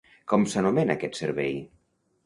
Com s'anomena aquest servei?